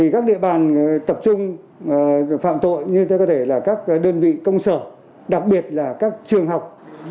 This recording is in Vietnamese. các địa bàn tập trung phạm tội như các đơn vị công sở đặc biệt là các trường học